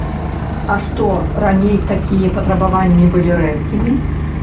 А што, раней такія патрабаванні былі рэдкімі?